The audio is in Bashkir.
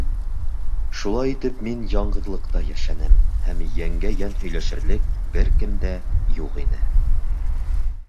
Шулай итеп мин яңғыҙлыҡта йәшәнем, һәм йәнгә-йән һөйләшерлек бер кем дә юҡ ине.